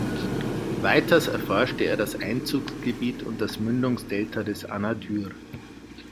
Weiters erforschte er das Einzugsgebiet und das Mündungsdelta des Anadyr.